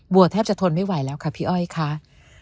แทบจะทนไม่ไหวแล้วค่ะพี่อ้อยค่ะ